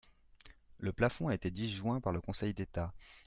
Le plafond a été disjoint par le Conseil d’État.